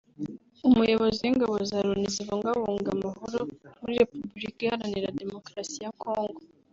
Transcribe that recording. umuyobozi w’ingabo za Loni zibungabunga amahoro muir Repubulika Iharanira Demokarasi ya Congo